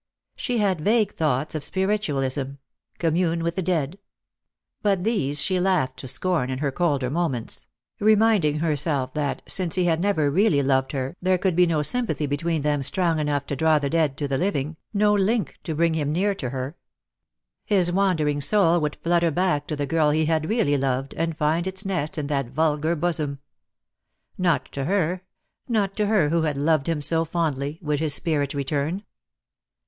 She had vague thoughts of spiritualism — commune with the dead. But these she laughed to scorn in her colder moments ; reminding herself that, since he had never really loved her, there could be no sympathy between them strong enough to draw the dead to the living, no link to bring him near to her. His wan dering soul would flutter back to the girl he had really loved, and find its nest in that vulgar bosom. Not to her, not to her who had loved him so fondly, would his spirit return.